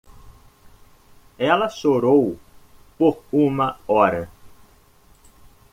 Ela chorou por uma hora.